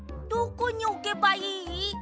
どこにおけばいい？